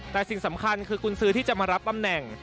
แต่สิ่งสำคัญคือกุญซื้อที่จะมารับตำแหน่ง